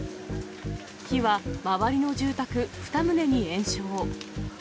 火は周りの住宅２棟に延焼。